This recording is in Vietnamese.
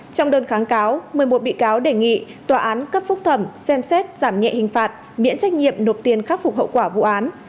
trong đơn kháng cáo một mươi một bị cáo đề nghị tòa án cấp phúc thẩm xem xét giảm nhẹ hình phạt miễn trách nhiệm nộp tiền khắc phục hậu quả vụ án